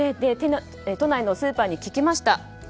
都内のスーパーに聞きました。